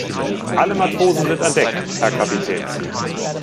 Alle Matrosen sind an Deck, Herr Kapitän.